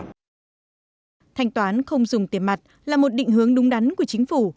thành toán không dùng tiền mặt là một định hướng đúng đắn của chính phủ